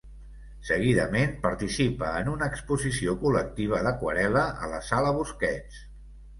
Seguidament, participa en una exposició col·lectiva d'aquarel·la a la Sala Busquets.